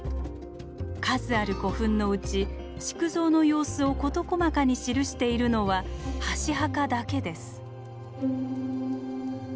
数ある古墳のうち築造の様子を事細かに記しているのは箸墓だけです。